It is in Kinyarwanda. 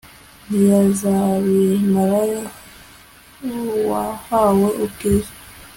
ntiyazabimarayo, wahawe ubwiza